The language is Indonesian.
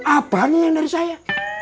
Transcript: apanya yang dari saya